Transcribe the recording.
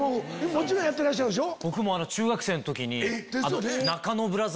もちろんやってらっしゃるでしょ？